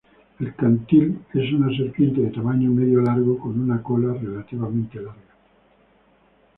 El cantil es una serpiente de tamaño medio-largo con una cola relativamente larga.